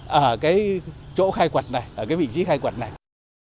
có thể nói kết quả khai quật này đã góp phần khẳng định khu vực thành cổ hà nội